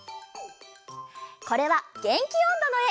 これは「げんきおんど」のえ。